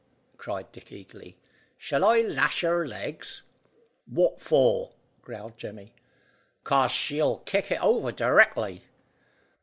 cried Dick eagerly, "shall I lash her legs?" "What for?" growled Jemmy. "'Cause she'll kick it over directly."